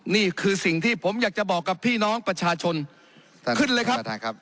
นี่คือสิ่งที่ผมอยากจะบอกกับพี่น้องประชาชนขึ้นเลยครับ